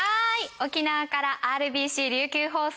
沖縄からＲＢＣ琉球放送